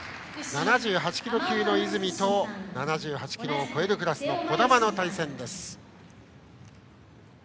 ７８キロ級の泉と７８ｋｇを超えるクラスの児玉の対戦。